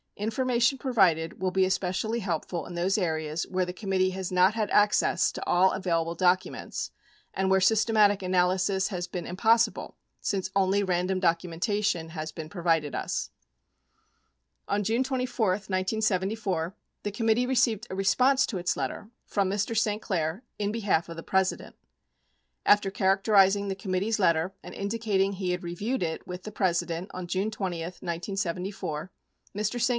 Information provided will be especially helpful in those areas where the committee has not had access to all available documents, and where systematic analysis has been impossible since only random documentation has been provided us. 41 On June 24, 1974, tbe committee received a response to its letter from Mr. St. Clair in behalf of the President. After characterizing the committee's letter and indicating he had reviewed it with the President on June 20, 1974, Mr. St.